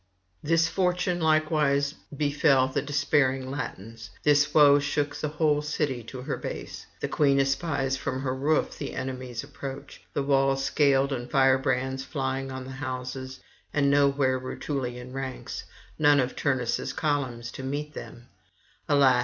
This fortune likewise befell the despairing Latins, this woe shook the whole city to her base. The queen espies from her roof the enemy's approach, the walls scaled and firebrands flying on the houses; and nowhere Rutulian ranks, none of Turnus' columns to meet them; alas!